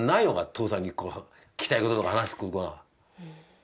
父さんに聞きたい事とか話す事は。